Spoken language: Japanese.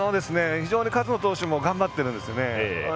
非常に勝野投手も頑張ってるんですよね。